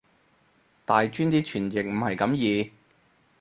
大專啲傳譯唔係咁易